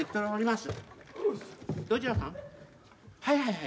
はい。